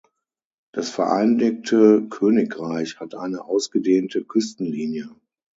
Das Vereinigte Königreich hat eine ausgedehnte Küstenlinie.